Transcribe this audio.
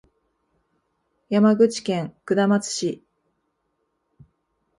山口県下松市